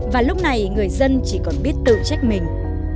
và lúc này người dân chỉ còn biết tự trách mình